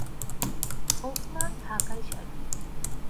হোক-না ঢাকাই শাড়ি।